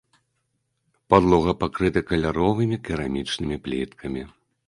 Падлога пакрыта каляровымі керамічнымі пліткамі.